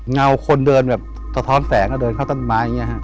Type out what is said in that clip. เงาคนเดินแบบสะท้อนแสงแล้วเดินเข้าต้นไม้อย่างนี้ครับ